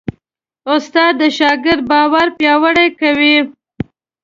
استاد د شاګرد باور پیاوړی کوي.